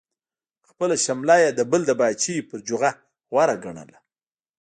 خپله شمله یې د بل د پاچاهۍ پر جوغه غوره ګڼله.